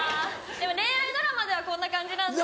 でも恋愛ドラマではこんな感じなんですよ。